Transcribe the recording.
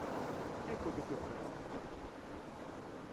Ecco che ti ho presa!